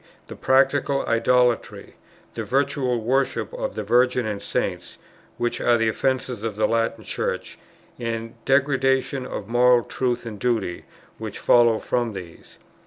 "the practical idolatry, the virtual worship of the Virgin and Saints, which are the offence of the Latin Church, and the degradation of moral truth and duty, which follows from these."